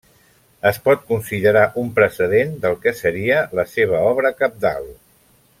Es pot considerar un precedent del que seria la seva obra cabdal.